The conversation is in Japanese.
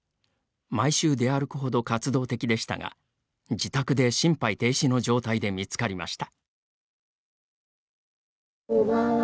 毎週出歩くほど活動的でしたが自宅で、心肺停止の状態で見つかりました。